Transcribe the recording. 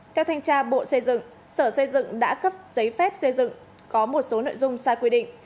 theo thanh tra bộ xây dựng sở xây dựng đã cấp giấy phép xây dựng có một số nội dung sai quy định